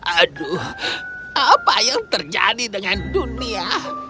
aduh apa yang terjadi dengan dunia